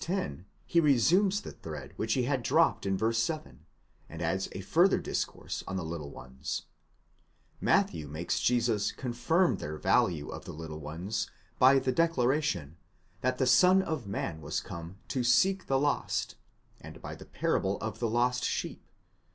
10 he resumes the thread which he had dropped at v. 7, and adds a further discourse on the //¢tZe ones, μικροὺς, Matthew makes Jesus confirm the value of the little ones by the declaration, that the Son of man was come to seek the lost, and by the parable of the lost sheep (ν.